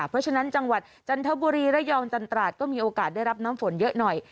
เพราะฉะนั้นจังหวัดจันทบุรีระยองจันตราดก็มีโอกาสได้รับน้ำฝนเยอะหน่อย